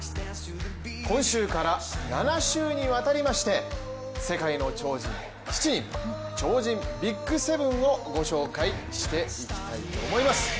今週から７週にわたりまして世界の超人７人超人ＢＩＧ７をご紹介していきたいと思います。